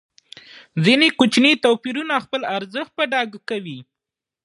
ځینې کوچني توپیرونه خپل ارزښت په ډاګه کوي.